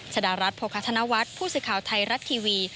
ชาดารัฐโพคาธนวัตรผู้สื่อข่าวไทยรัตทีวี